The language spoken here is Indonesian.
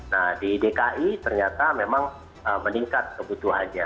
nah di dki ternyata memang meningkat kebutuhannya